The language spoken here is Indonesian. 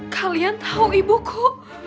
kalian tahu ibuku